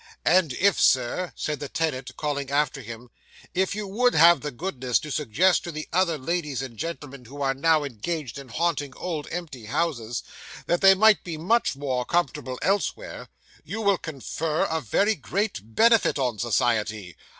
"And if, Sir," said the tenant, calling after him, "if you _would _have the goodness to suggest to the other ladies and gentlemen who are now engaged in haunting old empty houses, that they might be much more comfortable elsewhere, you will confer a very great benefit on society."